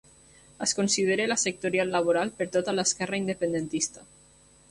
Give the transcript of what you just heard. És considerada la sectorial laboral per tota l'Esquerra Independentista.